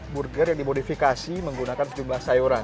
burger yang dimodifikasi menggunakan sejumlah sayuran